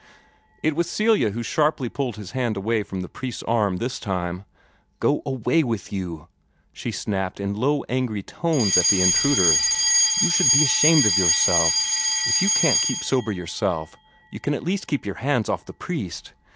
It was Celia who sharply pulled his hand away from the priest's arm this time. "Go away with you!" she snapped in low, angry tones at the intruder. "You should be ashamed of yourself! If you can't keep sober yourself, you can at least keep your hands off the priest.